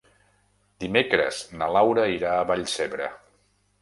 Dimecres na Laura irà a Vallcebre.